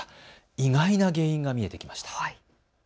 意外な原因が見えてきました。